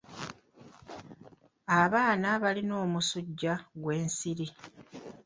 Abaana balina omusujja gw'ensiri.